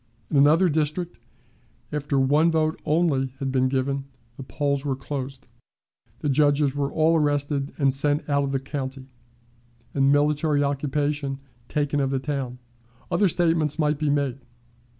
In another district, after one vote only had been given, the polls wore closed, the judges were all arrested and sent out of the county, and military occupation taken of the town. Other statements might be made.